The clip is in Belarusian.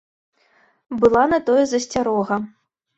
Была на тое засцярога.